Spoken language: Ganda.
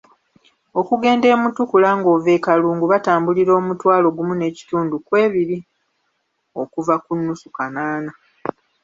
Okugenda e Mutukula ng’ova e Kalungu batambulira omutwala gumu n'ekitundu kw'ebiri okuva ku nnusu kanaana.